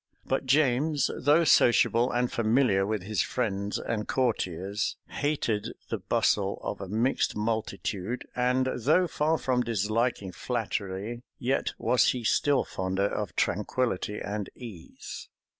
But James, though sociable and familiar with his friends and courtiers, hated the bustle of a mixed multitude; and though far from disliking flattery, yet was he still fonder of tranquillity and ease.